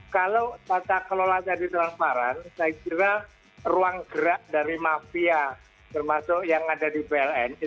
kalau tata kelola tadi transparan saya kira ruang gerak dari mafia termasuk yang ada di pln